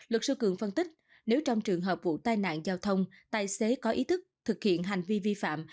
luật sư cường phân tích nếu trong trường hợp vụ tai nạn giao thông tài xế có ý thức thực hiện hành vi vi phạm